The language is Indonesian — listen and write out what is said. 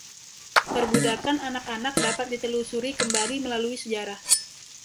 Perbudakan anak-anak dapat ditelusuri kembali melalui sejarah.